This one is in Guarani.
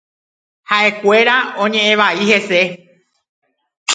Ha’ekuéra oñe’ẽ vai hese.